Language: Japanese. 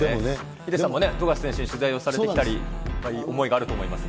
ヒデさんも富樫選手に取材をされたり、思いがあると思いますが。